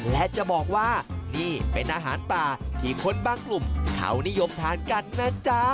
และจะบอกว่านี่เป็นอาหารป่าที่คนบางกลุ่มเขานิยมทานกันนะจ๊ะ